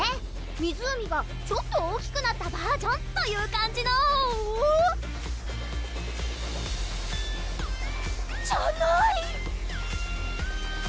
湖がちょっと大きくなったバージョンという感じのじゃない！